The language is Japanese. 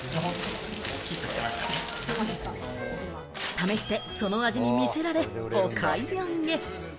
試して、その味に魅せられ、お買い上げ。